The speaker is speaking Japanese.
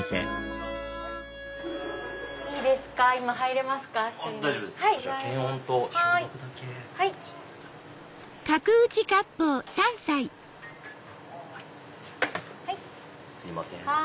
すいません。